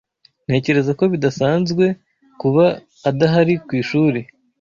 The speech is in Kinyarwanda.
Ntekereza ko bidasanzwe kuba adahari ku ishuri.